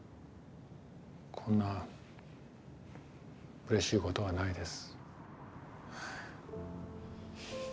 こんなうれしいことはないです。